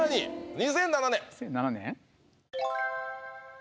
２００７年？